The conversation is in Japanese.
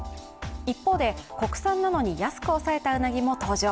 一方、国産なのに安く抑えたうなぎも登場。